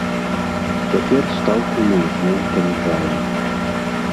Цяпер стаўку мы ізноў паніжаем.